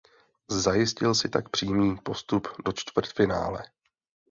Zajistil si tak přímý postup do čtvrtfinále.